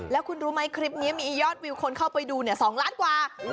แล้วคุณรู้ไหมคลิปนี้มียอดวิวคนเข้าไปดู๒ล้านกว่า